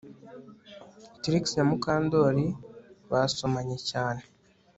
Trix na Mukandoli basomanye cyane